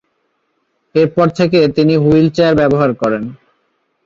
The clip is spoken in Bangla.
এর পর থেকে তিনি হুইল চেয়ার ব্যবহার করেন।